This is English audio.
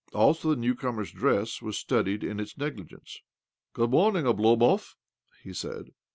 Also the new comer's dress was studied in its negligence. " Good morning, Oblomov," he said.